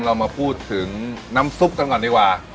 เรามาพูดถึงน้ำซุปกันก่อนดีกว่า